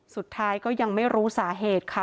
สุดท้ายก็ยังไม่รู้สาเหตุค่ะ